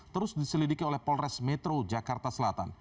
terus diselidiki oleh polres metro jakarta selatan